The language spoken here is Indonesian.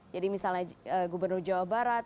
misalnya gubernur jawa barat